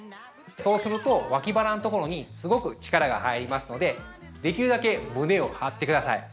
そうすると、脇腹のところにすごく力が入りますので、できるだけ胸を張ってください。